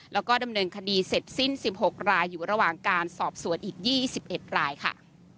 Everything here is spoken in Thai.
แล้วก็ดำเนินคดีเสร็จสิ้น๑๖รายอยู่ระหว่างการสอบสวนอีก๒๑รายค่ะ